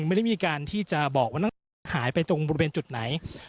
ไม่ได้มีการที่จะบอกว่าน้องหายไปตรงบริเวณจุดไหน